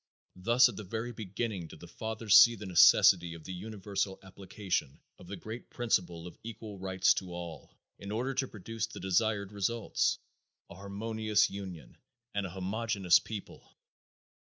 "Thus, at the very beginning did the fathers see the necessity of the universal application of the great principle of equal rights to all, in order to produce the desired results a harmonious union and a homogeneous people."